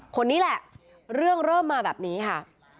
คนนี้แหละเรื่องเริ่มมาแบบนี้ค่ะ